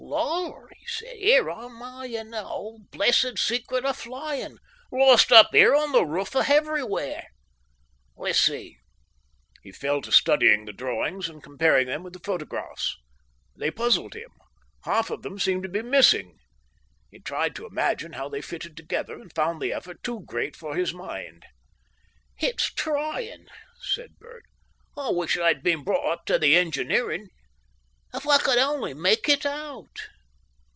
"Lord" he said, "here am I and the whole blessed secret of flying lost up here on the roof of everywhere. "Let's see!" He fell to studying the drawings and comparing them with the photographs. They puzzled him. Half of them seemed to be missing. He tried to imagine how they fitted together, and found the effort too great for his mind. "It's tryin'," said Bert. "I wish I'd been brought up to the engineering. If I could only make it out!"